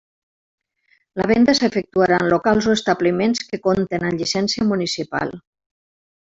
La venda s'efectuarà en locals o establiments que compten amb llicència municipal.